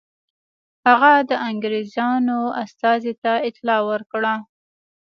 هغه د انګرېزانو استازي ته اطلاع ورکړه.